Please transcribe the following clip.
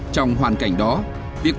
trong hoàn cảnh trường trực ứng chiến